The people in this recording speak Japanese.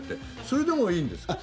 それでもいいんですか？